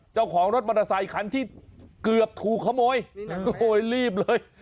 เจ้าของรถปาราศัยขันที่เกือบถูกขโมยโอ้ยรีบเลย